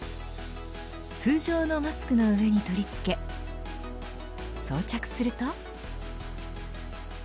通常のマスクの上に取り付け装着すると。